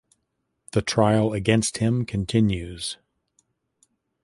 The trial against him continues.